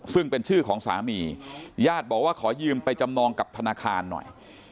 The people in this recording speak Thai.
ซึ่งเป็นชื่อของสามีญาติบอกว่าขอยืมไปจำนองกับธนาคารหน่อย